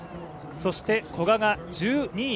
そして古賀が１２位。